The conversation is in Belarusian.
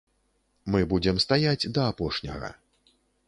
Мы будзем стаяць да апошняга.